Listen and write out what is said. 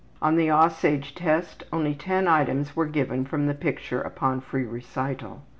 On the ``Aussage'' Test only ten items were given from the picture upon free recital.